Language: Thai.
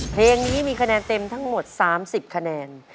เพลงนี้มีคะแนนเต็มทั้งหมด๓๐คะแนน